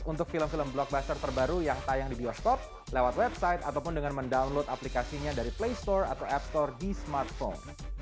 untuk film film blockbuster terbaru yang tayang di bioskop lewat website ataupun dengan mendownload aplikasinya dari play store atau app store di smartphone